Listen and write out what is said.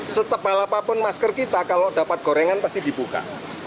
setebal apapun masker kita kalau dapat gorengan pasti dibuka